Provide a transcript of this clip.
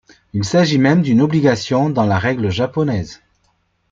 Il s'agit même d'une obligation dans la règle japonaise.